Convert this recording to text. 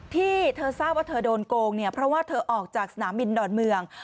ที่เธอทราบว่าเธอโดนโกงเนี่ยเพราะว่าเธอออกจากสนามบินดอนเมือง